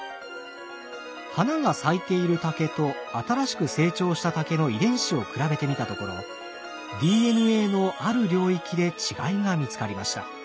花が咲いている竹と新しく成長した竹の遺伝子を比べてみたところＤＮＡのある領域で違いが見つかりました。